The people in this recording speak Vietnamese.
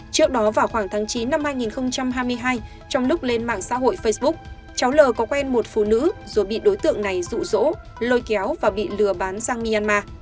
trước đó vào khoảng tháng chín năm hai nghìn hai mươi hai trong lúc lên mạng xã hội facebook cháu l có quen một phụ nữ rồi bị đối tượng này rụ rỗ lôi kéo và bị lừa bán sang myanmar